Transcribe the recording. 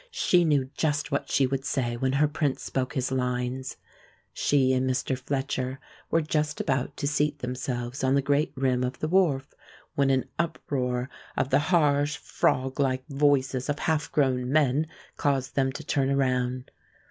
She knew just what she would say when her prince spoke his lines. She and Mr. Fletcher were just about to seat themselves on the great rim of the wharf, when an uproar of the harsh, froglike voices of half grown men caused them to turn around.